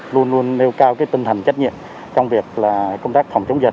luôn luôn nêu cao cái tinh thần trách nhiệm trong việc công tác phòng chống dịch